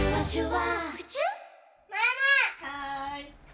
はい。